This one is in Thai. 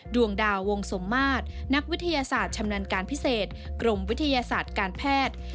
ดวงดาววงสมมาตรนักวิทยาศาสตร์ชำนาญการพิเศษกรมวิทยาศาสตร์การแพทย์